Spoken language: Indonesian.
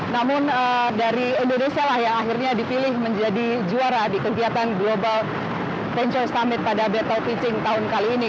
namun dari indonesia lah yang akhirnya dipilih menjadi juara di kegiatan global venture summit pada battle pitching tahun kali ini